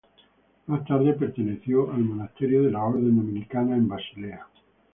Más tarde perteneció al monasterio de la Orden Dominicana en Basilea.